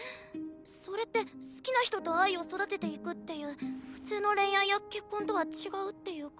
それって好きな人と愛を育てていくっていう普通の恋愛や結婚とは違うっていうか。